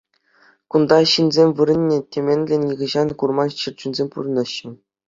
Кунта ҫынсем вырӑнне темӗнле нихӑҫан курман чӗрчунсем пурӑнаҫҫӗ.